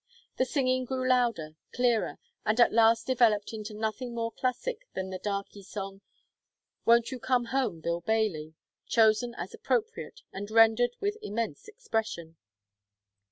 The singing grew louder, clearer, and at last developed into nothing more classic than the darky song, "Won't you come home, Bill Bailey?" chosen as appropriate, and rendered with immense expression.